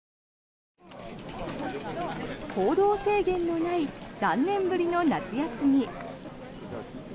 行動制限のない３年ぶりの夏休み。